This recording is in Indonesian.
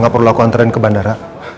gak perlu aku anterin ke bandara